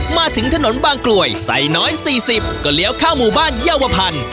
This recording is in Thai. มาถึงถนนบางกลวยใส่น้อย๔๐ก็เลี้ยวเข้าหมู่บ้านเยาวพันธ์